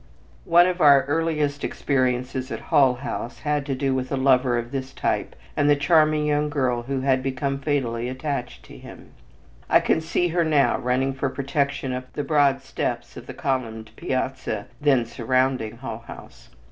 One of our earliest experiences at Hull House had to do with a lover of this type and the charming young girl who had become fatally attached to him. I can see her now running for protection up the broad steps of the columned piazza then surrounding Hull House.